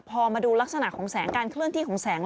พอมาดูลักษณะของแสงการเคลื่อนที่ของแสง